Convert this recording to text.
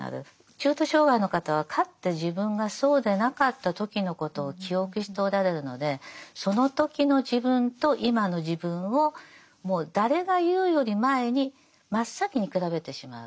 中途障がいの方はかって自分がそうでなかった時のことを記憶しておられるのでその時の自分と今の自分をもう誰が言うより前に真っ先に比べてしまう。